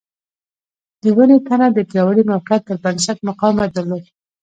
د ونې تنه د پیاوړي موقعیت پر بنسټ مقاومت درلود.